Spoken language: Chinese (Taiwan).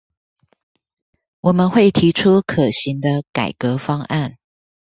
我們會提出可行的改革方案